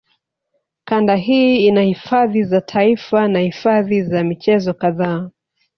Kanda hii ina hifadhi za taifa na hifadhi za michezo kadhaa